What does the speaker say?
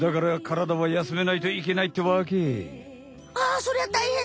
そりゃたいへんだ！